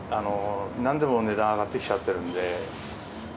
なんでも値段上がってきちゃってるんで。